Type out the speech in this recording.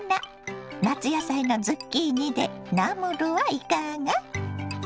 夏野菜のズッキーニでナムルはいかが。